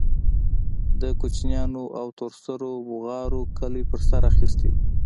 د کوچنيانو او تور سرو بوغارو کلى په سر اخيستى و.